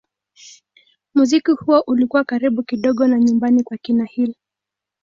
Muziki huo ulikuwa karibu kidogo na nyumbani kwa kina Hill.